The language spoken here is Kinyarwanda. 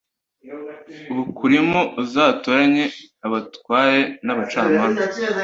bukurimo uzatoranye abatware n abacamanza